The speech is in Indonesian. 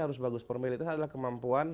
harus bagus formalitas adalah kemampuan